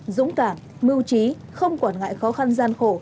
dũng cảm mưu trí không quản ngại khó khăn gian khổ